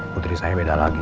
putri saya beda lagi